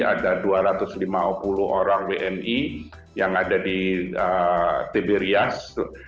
ada dua ratus lima puluh orang wni yang ada di tiberias